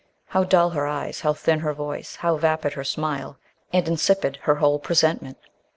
How dull her eyes, how thin her voice, how vapid her smile, and insipid her whole presentment.